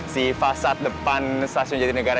si fasad depan stasiun jatinegara